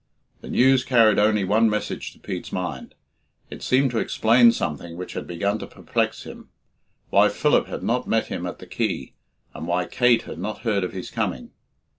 The news carried only one message to Pete's mind. It seemed to explain something which had begun to perplex him why Philip had not met him at the quay, and why Kate had not heard of his coming.